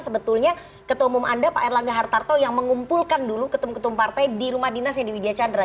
sebetulnya ketua umum anda pak erlangga hartarto yang mengumpulkan dulu ketum ketum partai di rumah dinasnya di widya chandra